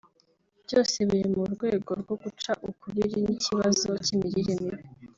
byose biri mu rwego rwo guca ukubiri n’ikibazo cy’imirire mibi